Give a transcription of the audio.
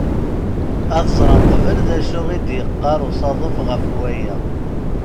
Ad ẓren qbel d acu i d-yeqqar usaḍuf ɣef waya.